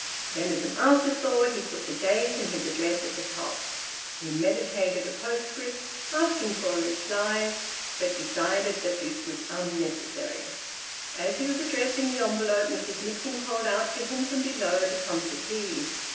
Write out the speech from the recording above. Then, as an afterthought, he put the date and his address at the top. He meditated a postscript asking for a reply, but decided that this was unnecessary. As he was addressing the envelope Mrs Nixon called out to him from below to come to tea.